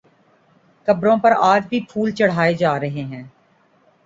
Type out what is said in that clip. قبروں پر آج بھی پھول چڑھائے جا رہے ہیں